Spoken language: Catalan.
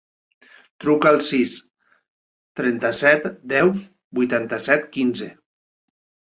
Truca al sis, trenta-set, deu, vuitanta-set, quinze.